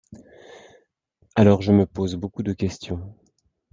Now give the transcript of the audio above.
Alors, je me pose beaucoup de questions.